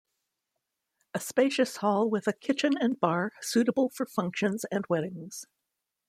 A spacious hall with a kitchen and bar, suitable for functions and weddings.